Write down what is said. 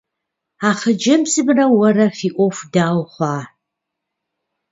А хъыджэбзымрэ уэрэ фи Ӏуэху дауэ хъуа?